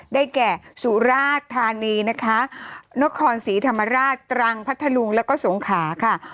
ได้แก่สุราชธานีนะคะนครศรีธรรมราชตรังพัทธลุงแล้วก็สงขาค่ะ